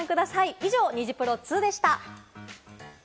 以上ニジプロ２でした。